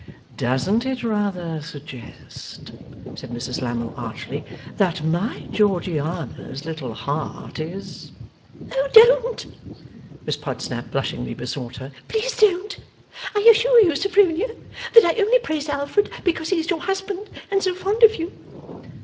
'Doesn't it rather suggest,' said Mrs Lammle archly, 'that my Georgiana's little heart is ' 'Oh don't!' Miss Podsnap blushingly besought her. 'Please don't! I assure you, Sophronia, that I only praise Alfred, because he is your husband and so fond of you.